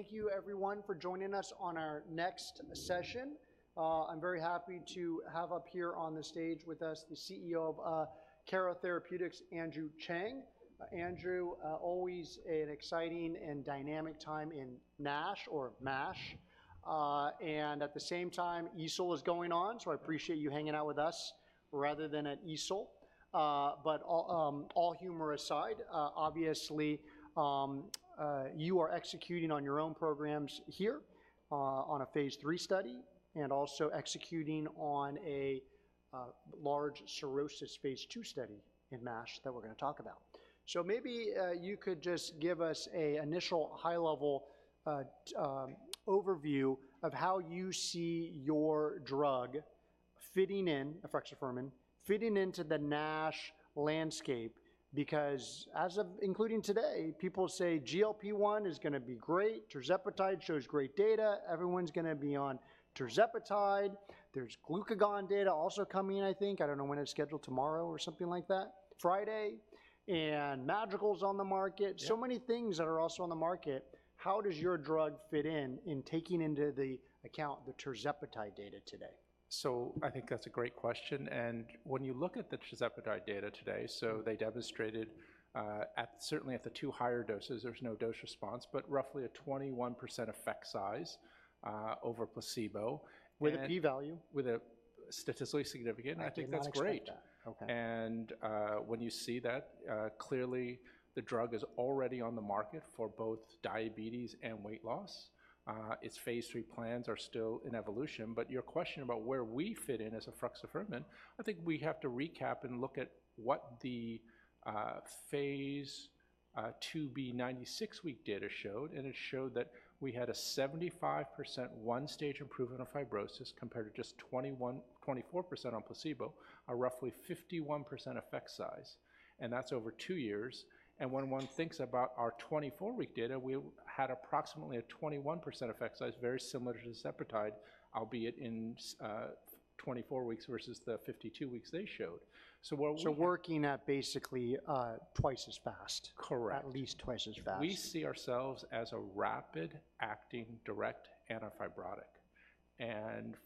Thank you everyone for joining us on our next session. I'm very happy to have up here on the stage with us, the CEO of Akero Therapeutics, Andrew Cheng. Andrew, always an exciting and dynamic time in NASH or MASH. And at the same time, EASL is going on, so I appreciate you hanging out with us rather than at EASL. But all humor aside, obviously, you are executing on your own programs here, on a phase III study, and also executing on a large cirrhosis phase II study in MASH that we're gonna talk about. So maybe you could just give us an initial high-level overview of how you see your drug fitting in, efruxifermin, fitting into the NASH landscape. Because as of including today, people say GLP-1 is gonna be great, tirzepatide shows great data, everyone's gonna be on tirzepatide. There's glucagon data also coming in, I think. I don't know when it's scheduled, tomorrow or something like that, Friday? And Madrigal's on the market. Yeah. Many things that are also on the market. How does your drug fit in, taking into account the tirzepatide data today? So I think that's a great question, and when you look at the tirzepatide data today, so they demonstrated, at certainly at the two higher doses, there's no dose response, but roughly a 21% effect size, over placebo. And- With a p-value? With a statistically significant. I did not expect that. I think that's great. Okay. When you see that, clearly the drug is already on the market for both diabetes and weight loss. Its phase III plans are still in evolution, but your question about where we fit in as efruxifermin, I think we have to recap and look at what the phase IIb 96-week data showed, and it showed that we had a 75% one-stage improvement of fibrosis compared to just 24% on placebo, a roughly 51% effect size, and that's over two years. When one thinks about our 24-week data, we had approximately a 21% effect size, very similar to tirzepatide, albeit in twenty-four weeks versus the 52 weeks they showed. So what we- So working at basically twice as fast. Correct. At least twice as fast. We see ourselves as a rapid-acting, direct antifibrotic.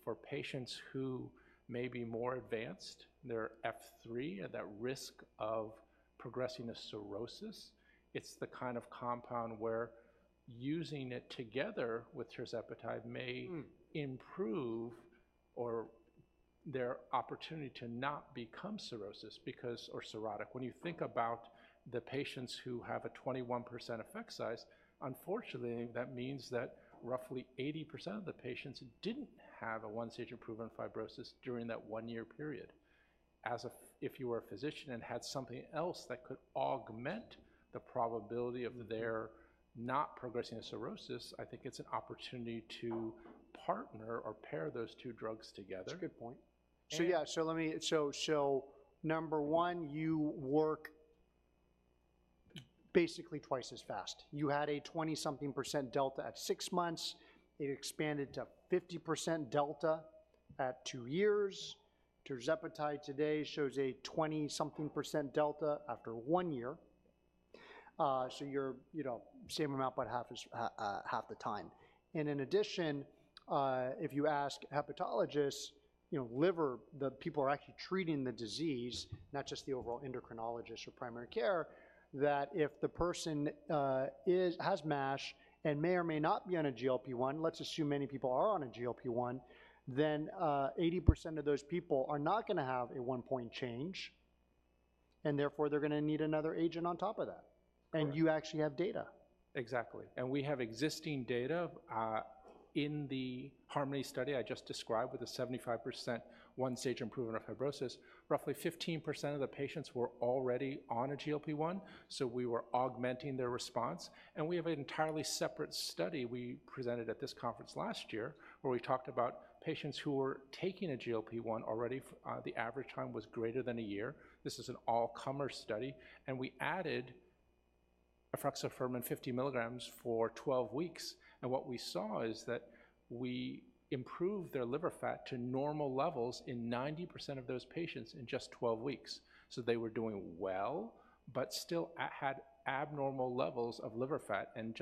For patients who may be more advanced, they're F3, at that risk of progressing to cirrhosis, it's the kind of compound where using it together with tirzepatide may- Hmm... improve or their opportunity to not become cirrhosis because... or cirrhotic. Oh. When you think about the patients who have a 21% effect size, unfortunately, that means that roughly 80% of the patients didn't have a 1-stage improvement in fibrosis during that 1-year period. As if, if you were a physician and had something else that could augment the probability of their not progressing to cirrhosis, I think it's an opportunity to partner or pair those two drugs together. That's a good point. And- So, yeah. Number one, you work basically twice as fast. You had a 20-something% delta at six months. It expanded to 50% delta at two years. Tirzepatide today shows a 20-something% delta after one year. So you're, you know, same amount, but half as, half the time. And in addition, if you ask hepatologists, you know, liver, the people who are actually treating the disease, not just the overall endocrinologist or primary care, that if the person has MASH and may or may not be on a GLP-1, let's assume many people are on a GLP-1, then 80% of those people are not gonna have a 1-point change, and therefore, they're gonna need another agent on top of that. Correct. You actually have data. Exactly. We have existing data. In the HARMONY study I just described, with a 75% one-stage improvement of fibrosis, roughly 15% of the patients were already on a GLP-1, so we were augmenting their response. We have an entirely separate study we presented at this conference last year, where we talked about patients who were taking a GLP-1 already. The average time was greater than a year. This is an all-comer study, and we added efruxifermin 50 mg for 12 weeks. What we saw is that we improved their liver fat to normal levels in 90% of those patients in just 12 weeks. They were doing well, but still had abnormal levels of liver fat and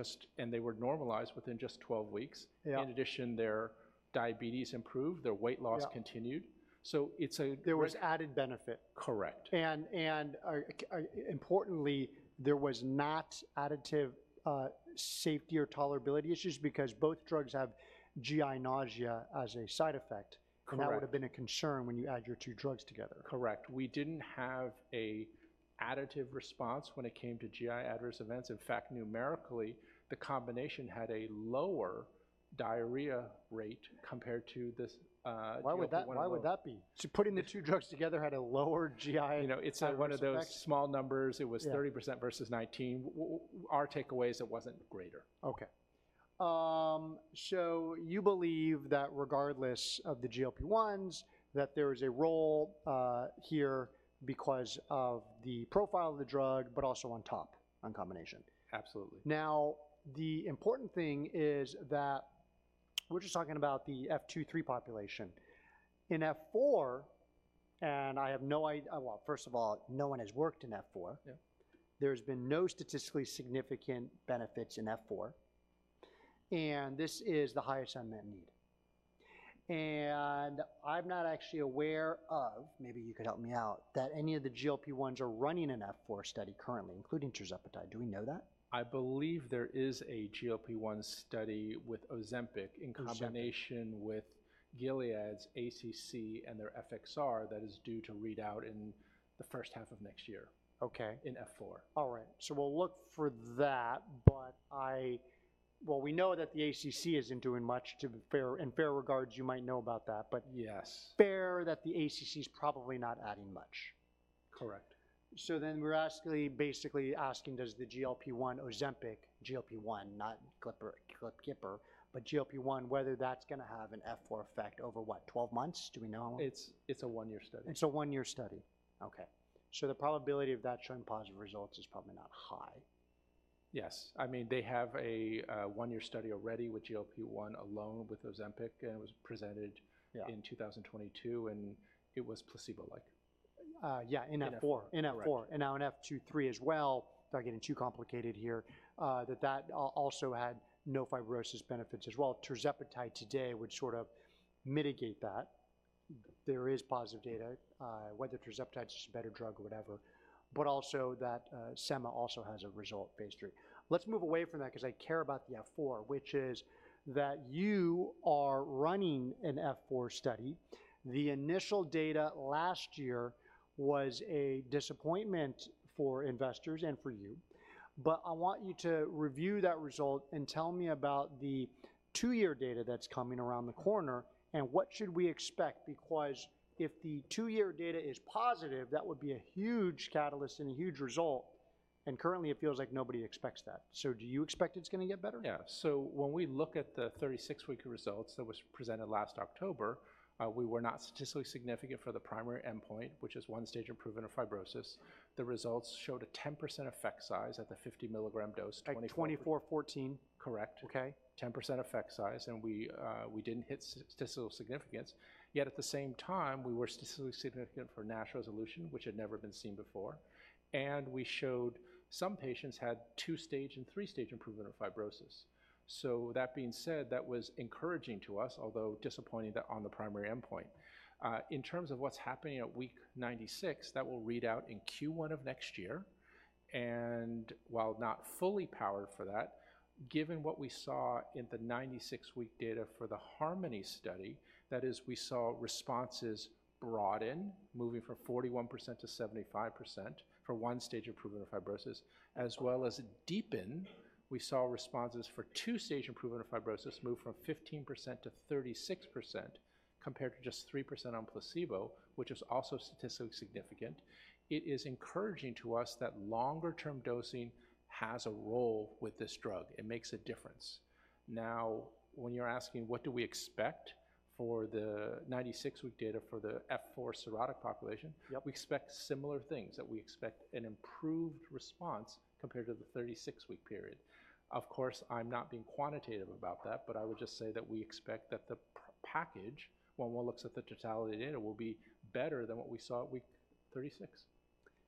they were normalized within just 12 weeks. Yeah. In addition, their diabetes improved, their weight loss- Yeah... continued. So it's There was added benefit. Correct. Importantly, there was not additive safety or tolerability issues because both drugs have GI nausea as a side effect. Correct. That would have been a concern when you add your two drugs together. Correct. We didn't have an additive response when it came to GI adverse events. In fact, numerically, the combination had a lower diarrhea rate compared to this, GLP-1 alone. Why would that, why would that be? So putting the two drugs together had a lower GI adverse effect? You know, it's one of those small numbers. Yeah. It was 30% versus 19. Our takeaway is it wasn't greater. Okay. So you believe that regardless of the GLP-1s, that there is a role here because of the profile of the drug, but also on top, on combination? Absolutely. Now, the important thing is that... We're just talking about the F2-3 population. In F4, and I have no idea. Well, first of all, no one has worked in F4. Yeah. There's been no statistically significant benefits in F4, and this is the highest unmet need. I'm not actually aware of, maybe you could help me out, that any of the GLP-1s are running an F4 study currently, including tirzepatide. Do we know that? I believe there is a GLP-1 study with Ozempic- Ozempic. in combination with Gilead's ACC and their FXR that is due to read out in the first half of next year. Okay. in F4. All right, so we'll look for that. But well, we know that the ACC isn't doing much to be fair, in fair regards. You might know about that, but- Yes. Fair that the ACC is probably not adding much. Correct. So then we're asking, basically asking, does the GLP-1, Ozempic, GLP-1, not clipper, clip kipper, but GLP-1, whether that's gonna have an F4 effect over, what, 12 months? Do we know? It's a one-year study. It's a 1-year study. Okay. So the probability of that showing positive results is probably not high. Yes. I mean, they have a one-year study already with GLP-1 alone, with Ozempic, and it was presented- Yeah... in 2022, and it was placebo-like. Yeah, in F4. In F4. In F4. Correct. And now in F2, F3 as well, without getting too complicated here, that also had no fibrosis benefits as well. Tirzepatide today would sort of mitigate that. There is positive data, whether tirzepatide is a better drug or whatever, but also that, Sema also has a result-based drug. Let's move away from that 'cause I care about the F4, which is that you are running an F4 study. The initial data last year was a disappointment for investors and for you, but I want you to review that result and tell me about the two-year data that's coming around the corner, and what should we expect? Because if the two-year data is positive, that would be a huge catalyst and a huge result, and currently, it feels like nobody expects that. So do you expect it's gonna get better? Yeah. So when we look at the 36-week results that was presented last October, we were not statistically significant for the primary endpoint, which is one stage improvement of fibrosis. The results showed a 10% effect size at the 50-milligram dose, twenty- At 24, 14. Correct. Okay. 10% effect size, and we, we didn't hit statistical significance, yet at the same time, we were statistically significant for NASH resolution, which had never been seen before. And we showed some patients had two-stage and three-stage improvement of fibrosis. So that being said, that was encouraging to us, although disappointing that on the primary endpoint. In terms of what's happening at week 96, that will read out in Q1 of next year, and while not fully powered for that, given what we saw in the 96-week data for the HARMONY study, that is, we saw responses broaden, moving from 41% to 75% for one stage improvement of fibrosis, as well as deepen. We saw responses for two-stage improvement of fibrosis move from 15% to 36%, compared to just 3% on placebo, which is also statistically significant. It is encouraging to us that longer-term dosing has a role with this drug. It makes a difference. Now, when you're asking, what do we expect for the 96-week data for the F4 cirrhotic population- Yep... we expect similar things, that we expect an improved response compared to the 36-week period. Of course, I'm not being quantitative about that, but I would just say that we expect that the p-package, when one looks at the totality data, will be better than what we saw at week 36.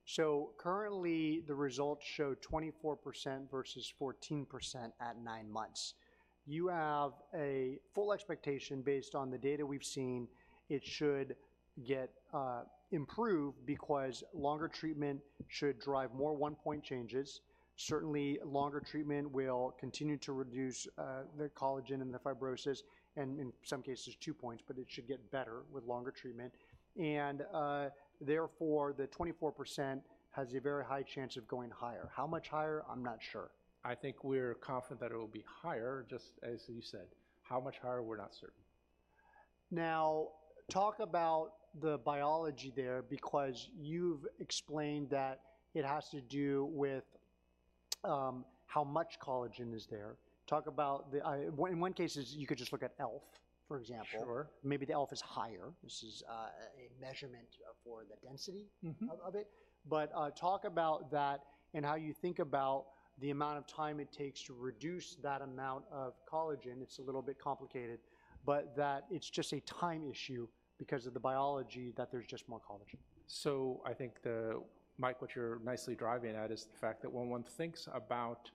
So currently, the results show 24% versus 14% at 9 months. You have a full expectation, based on the data we've seen, it should get, improved because longer treatment should drive more 1-point changes. Certainly, longer treatment will continue to reduce, the collagen and the fibrosis, and in some cases, 2 points, but it should get better with longer treatment. And, therefore, the 24% has a very high chance of going higher. How much higher? I'm not sure. I think we're confident that it will be higher, just as you said. How much higher? We're not certain. Now, talk about the biology there, because you've explained that it has to do with how much collagen is there. In one case, you could just look at ELF, for example. Sure. Maybe the ELF is higher. This is a measurement for the density- Mm-hmm... of it. But, talk about that and how you think about the amount of time it takes to reduce that amount of collagen. It's a little bit complicated, but that it's just a time issue because of the biology, that there's just more collagen. So I think, Mike, what you're nicely driving at is the fact that when one thinks about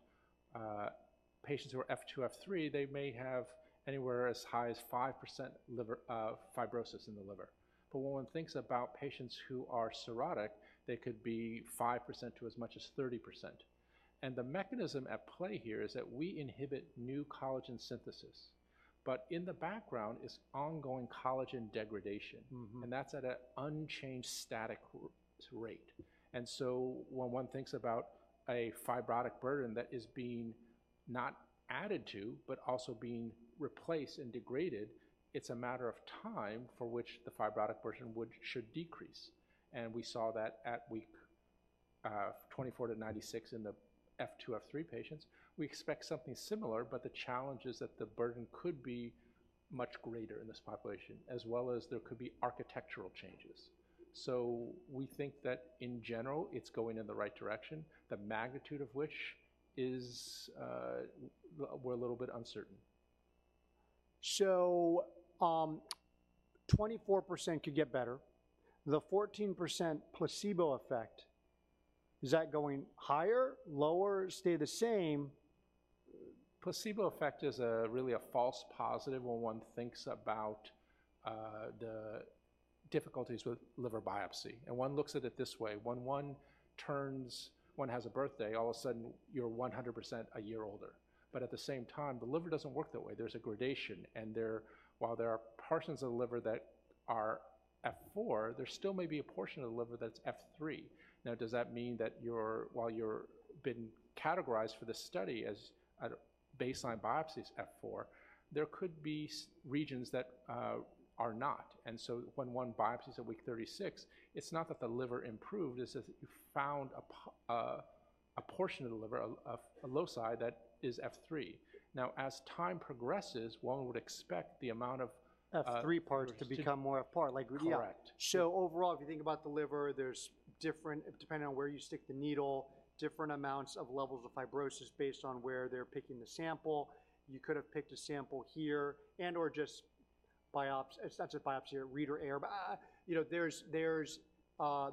patients who are F2, F3, they may have anywhere as high as 5% liver fibrosis in the liver. But when one thinks about patients who are cirrhotic, they could be 5%-30%. And the mechanism at play here is that we inhibit new collagen synthesis, but in the background is ongoing collagen degradation. Mm-hmm... and that's at an unchanged static rate. So when one thinks about a fibrotic burden that is being not added to, but also being replaced and degraded, it's a matter of time for which the fibrotic burden should decrease, and we saw that at week 24 to 96 in the F2, F3 patients. We expect something similar, but the challenge is that the burden could be much greater in this population, as well as there could be architectural changes... So we think that in general, it's going in the right direction. The magnitude of which is, we're a little bit uncertain. 24% could get better. The 14% placebo effect, is that going higher, lower, stay the same? Placebo effect is really a false positive when one thinks about the difficulties with liver biopsy, and one looks at it this way. When one has a birthday, all of a sudden, you're 100% a year older. But at the same time, the liver doesn't work that way. There's a gradation, and while there are portions of the liver that are F4, there still may be a portion of the liver that's F3. Now, does that mean that you're, while you're been categorized for this study as at a baseline biopsy is F4, there could be regions that are not. And so when one biopsies at week 36, it's not that the liver improved, it's that you found a portion of the liver, a loci that is F3. Now, as time progresses, one would expect the amount of, F3 parts to become more a part, like- Correct. So overall, if you think about the liver, there's different, depending on where you stick the needle, different amounts of levels of fibrosis based on where they're picking the sample. You could have picked a sample here and/or just biopsy. It's not just a biopsy or reader error, but, you know, there's...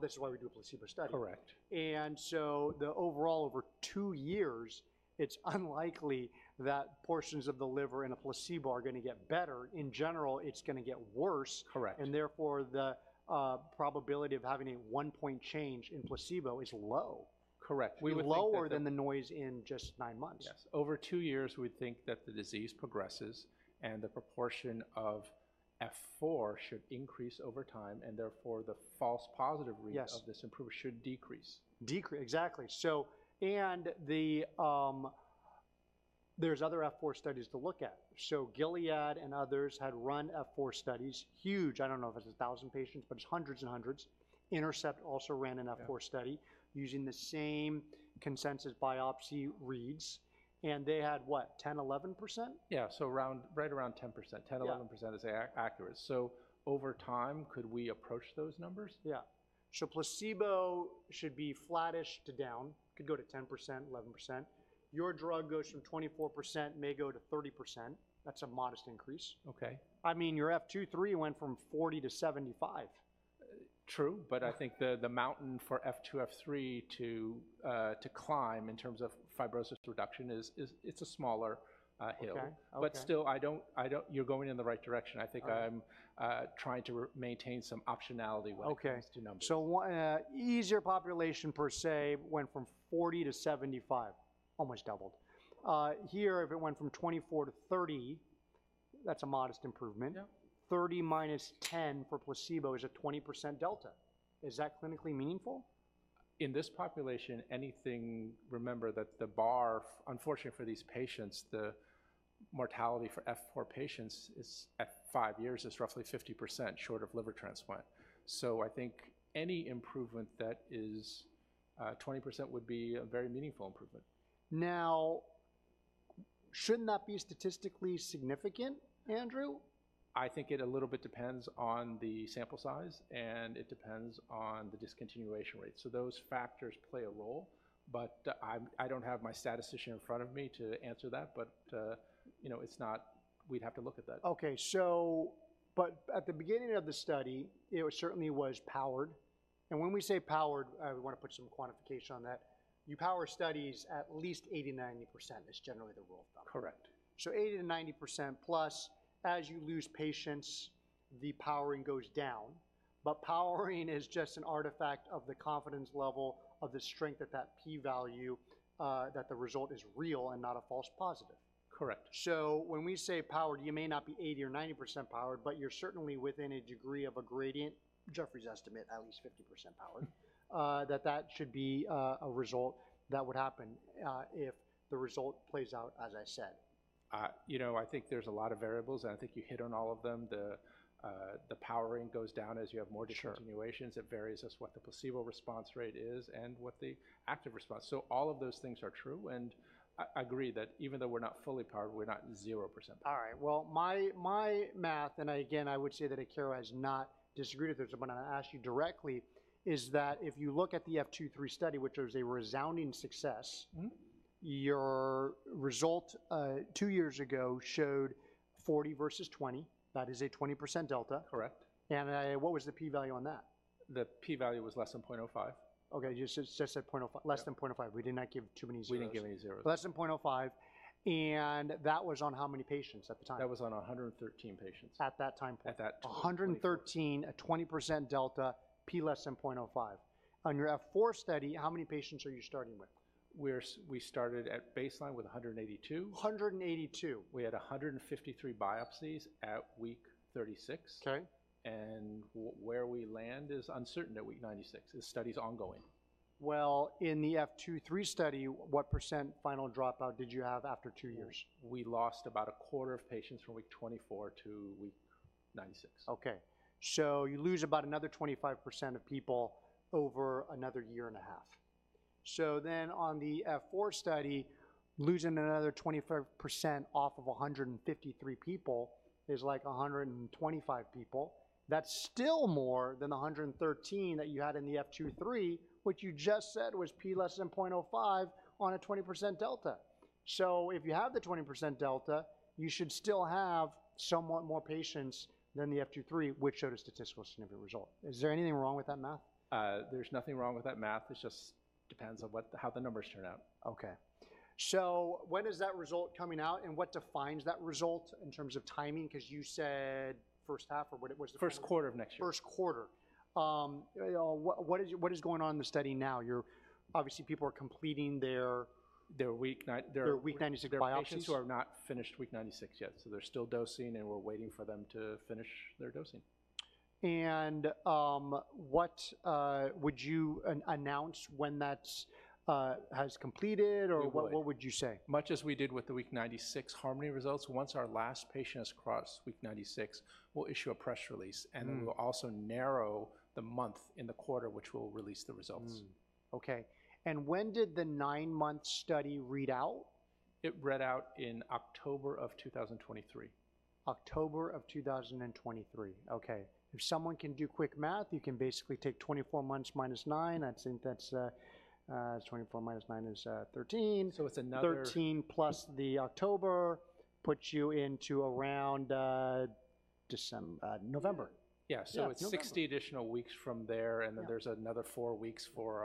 This is why we do a placebo study. Correct. The overall, over 2 years, it's unlikely that portions of the liver in a placebo are gonna get better. In general, it's gonna get worse- Correct. and therefore, the probability of having a 1-point change in placebo is low. Correct. We would think that the- Lower than the noise in just 9 months. Yes. Over two years, we'd think that the disease progresses, and the proportion of F4 should increase over time, and therefore, the false positive rate- Yes -of this improvement should decrease. Decrease. Exactly. So, there's other F4 studies to look at. So Gilead and others had run F4 studies. Huge. I don't know if it's 1,000 patients, but it's hundreds and hundreds. Intercept also ran an F4 study- Yeah -using the same consensus biopsy reads, and they had what? 10, 11%? Yeah, so around, right around 10%. Yeah. 10%-11% is accurate. So over time, could we approach those numbers? Yeah. So placebo should be flattish to down, could go to 10%-11%. Your drug goes from 24%, may go to 30%. That's a modest increase. Okay. I mean, your F2/3 went from 40 to 75. True, but I think the mountain for F2, F3 to climb in terms of fibrosis reduction is. It's a smaller hill. Okay. Okay. But still, I don't. You're going in the right direction. All right. I think I'm trying to maintain some optionality when it comes to numbers. Okay. So one, easier population per se went from 40 to 75, almost doubled. Here, if it went from 24 to 30, that's a modest improvement. Yeah. 30 minus 10 for placebo is a 20% delta. Is that clinically meaningful? In this population, anything... Remember that the bar, unfortunately for these patients, the mortality for F4 patients is, at five years, is roughly 50% short of liver transplant. So I think any improvement that is, 20% would be a very meaningful improvement. Now, shouldn't that be statistically significant, Andrew? I think it a little bit depends on the sample size, and it depends on the discontinuation rate. So those factors play a role, but, I don't have my statistician in front of me to answer that. But, you know, it's not. We'd have to look at that. Okay, at the beginning of the study, it certainly was powered, and when we say powered, we wanna put some quantification on that. You power studies at least 80%, 90% is generally the rule of thumb. Correct. So 80%-90%+, as you lose patients, the powering goes down. But powering is just an artifact of the confidence level of the strength of that p-value that the result is real and not a false positive. Correct. So when we say powered, you may not be 80% or 90% powered, but you're certainly within a degree of a gradient. Jefferies' estimate, at least 50% powered. That should be a result that would happen if the result plays out as I said. You know, I think there's a lot of variables, and I think you hit on all of them. The powering goes down as you have more discontinuations. Sure. It varies as what the placebo response rate is and what the active response. So all of those things are true, and I, I agree that even though we're not fully powered, we're not 0%. All right, well, my math, and I again, I would say that Akero has not disagreed with this, but I'm gonna ask you directly, is that if you look at the F2/3 study, which was a resounding success- Mm-hmm... your result, 2 years ago showed 40 versus 20. That is a 20% delta. Correct. What was the p-value on that? The p-value was less than 0.05. Okay, you just said 0.05. Yeah. Less than 0.05. We did not give too many zeros. We didn't give any zeros. Less than 0.05, and that was on how many patients at the time? That was on 113 patients. At that time point. At that time. 113, a 20% delta, P < 0.05. On your F4 study, how many patients are you starting with? We're we started at baseline with 182. 182. We had 153 biopsies at week 36. Okay. Where we land is uncertain at week 96. This study's ongoing. Well, in the F2,3 study, what percent final dropout did you have after two years? We lost about a quarter of patients from week 24 to week 96. Okay. So you lose about another 25% of people over another year and a half?... So then on the F4 study, losing another 25% off of 153 people is like 125 people. That's still more than the 113 that you had in the F2-3, which you just said was p < 0.05 on a 20% delta. So if you have the 20% delta, you should still have somewhat more patients than the F2-3, which showed a statistically significant result. Is there anything wrong with that math? There's nothing wrong with that math. It just depends on what- how the numbers turn out. Okay. So when is that result coming out, and what defines that result in terms of timing? 'Cause you said first half, or what, what was the- First quarter of next year. First quarter. You know, what is going on in the study now? You're obviously people are completing their- Their week nine, their- Their week 96 biopsies. There are patients who are not finished week 96 yet, so they're still dosing, and we're waiting for them to finish their dosing. What would you announce when that's has completed? We would. Or what, what would you say? Much as we did with the week 96 HARMONY results, once our last patient has crossed week 96, we'll issue a press release- Mm. and we'll also narrow the month in the quarter, which we'll release the results. Okay. When did the 9-month study read out? It read out in October of 2023. October of 2023. Okay. If someone can do quick math, you can basically take 24 months minus 9. I think that's 24 minus 9 is 13. So it's another- 13 plus the October puts you into around November. Yeah. Yeah, November. It's 60 additional weeks from there- Yeah... and then there's another 4 weeks for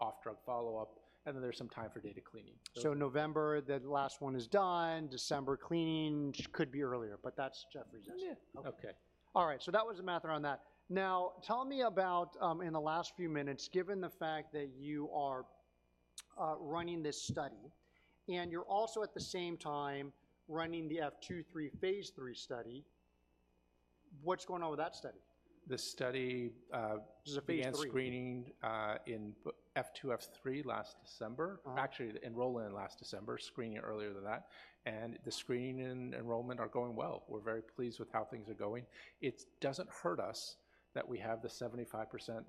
off-drug follow-up, and then there's some time for data cleaning. November, the last one is done, December cleaning. Could be earlier, but that's Jefferies' estimate. Yeah. Okay. All right, so that was the math around that. Now, tell me about, in the last few minutes, given the fact that you are running this study, and you're also at the same time running the F2-F3 Phase III study, what's going on with that study? The study, This is a phase III. Began screening in F2, F3 last December. Uh-huh. Actually, enrolled in last December, screening earlier than that, and the screening and enrollment are going well. We're very pleased with how things are going. It doesn't hurt us that we have the 75%,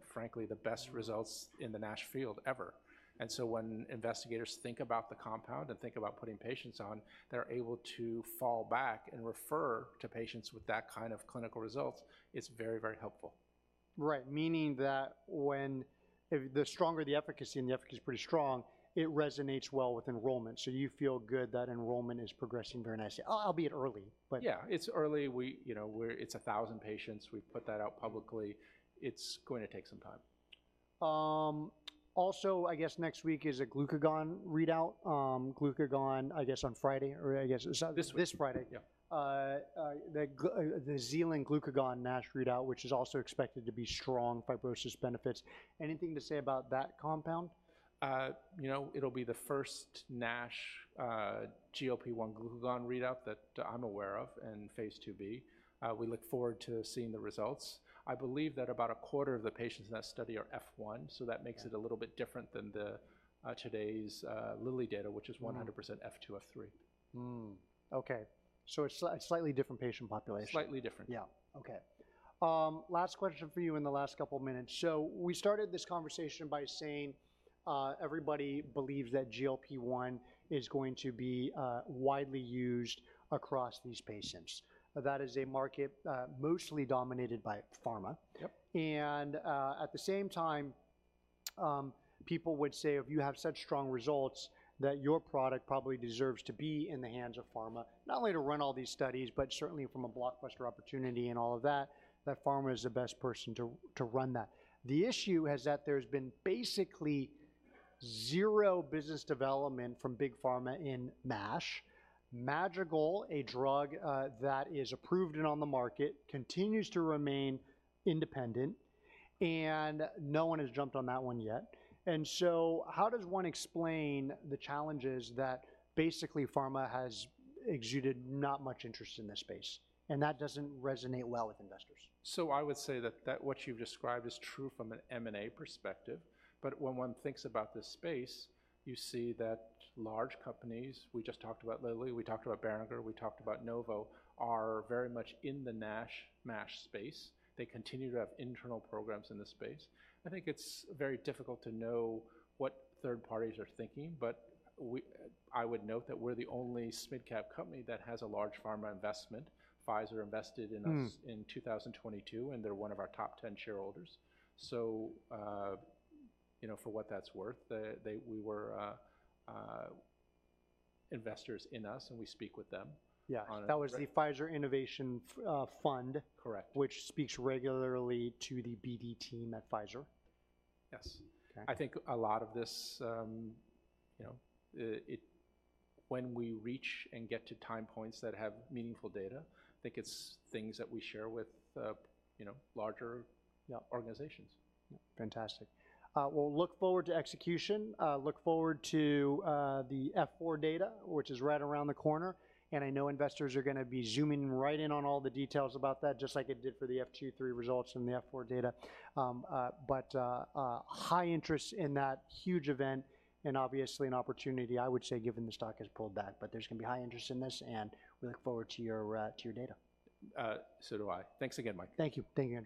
frankly, the best results in the NASH field ever. And so when investigators think about the compound and think about putting patients on, they're able to fall back and refer to patients with that kind of clinical results. It's very, very helpful. Right. Meaning that when, if the stronger the efficacy, and the efficacy is pretty strong, it resonates well with enrollment. So you feel good that enrollment is progressing very nicely, albeit early, but- Yeah, it's early. We, you know, we're. It's 1,000 patients. We've put that out publicly. It's going to take some time. Also, I guess next week is a glucagon readout. Glucagon, I guess on Friday, or I guess- This week. This Friday. Yeah. The Zealand glucagon NASH readout, which is also expected to be strong fibrosis benefits. Anything to say about that compound? You know, it'll be the first NASH GLP-1 glucagon readout that I'm aware of in Phase IIb. We look forward to seeing the results. I believe that about a quarter of the patients in that study are F1, so that- Yeah... makes it a little bit different than today's Lilly data, which is one- Mm-hmm... 100% F2, F3. Okay, so it's a slightly different patient population. Slightly different. Yeah. Okay. Last question for you in the last couple of minutes. So we started this conversation by saying, everybody believes that GLP-1 is going to be widely used across these patients. That is a market mostly dominated by pharma. Yep. At the same time, people would say, if you have such strong results, that your product probably deserves to be in the hands of pharma. Not only to run all these studies, but certainly from a blockbuster opportunity and all of that, that pharma is the best person to, to run that. The issue is that there's been basically zero business development from big pharma in MASH. Madrigal, a drug, that is approved and on the market, continues to remain independent, and no one has jumped on that one yet. So, how does one explain the challenges that basically pharma has exuded not much interest in this space, and that doesn't resonate well with investors? So I would say that, that what you've described is true from an M&A perspective, but when one thinks about this space, you see that large companies, we just talked about Lilly, we talked about Boehringer, we talked about Novo, are very much in the NASH, MASH space. They continue to have internal programs in this space. I think it's very difficult to know what third parties are thinking, but we, I would note that we're the only mid-cap company that has a large pharma investment. Pfizer invested in us- Mm... in 2022, and they're one of our top 10 shareholders. So, you know, for what that's worth, they, we were investors in us, and we speak with them. Yeah. On a- That was the Pfizer Innovation Fund- Correct... which speaks regularly to the BD team at Pfizer? Yes. Okay. I think a lot of this, you know, when we reach and get to time points that have meaningful data, I think it's things that we share with, you know, larger- Yeah... organizations. Yeah. Fantastic. We'll look forward to execution, look forward to the F4 data, which is right around the corner, and I know investors are gonna be zooming right in on all the details about that, just like it did for the F2/3 results and the F4 data. But high interest in that huge event, and obviously an opportunity, I would say, given the stock has pulled back. But there's gonna be high interest in this, and we look forward to your data. So do I. Thanks again, Mike. Thank you. Thank you, Andrew.